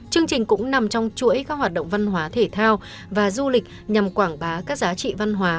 chương trình cũng nằm trong chuỗi các hoạt động văn hóa thể thao và du lịch nhằm quảng bá các giá trị văn hóa